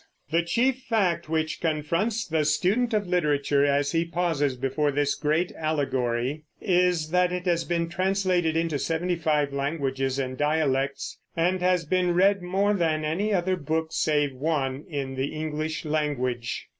The chief fact which confronts the student of literature as he pauses before this great allegory is that it has been translated into seventy five languages and dialects, and has been read more than any other book save one in the English language.